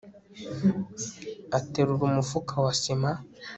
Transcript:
aterura umufuka wa sima